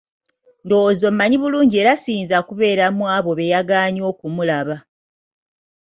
Ndowooza ommanyi bulungi era siyinza kubeera mu abo beyagaanye okumulaba.